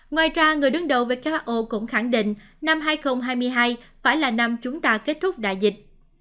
ngoài ra người đứng đầu who cũng khẳng định năm hai nghìn hai mươi hai phải là năm chúng ta kết thúc đại dịch